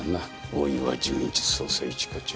大岩純一捜査一課長。